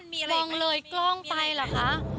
มองเลยกล้องไปละฮะ